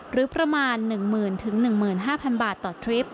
หรือประมาณ๑๐๐๐๑๕๐๐บาทต่อทริป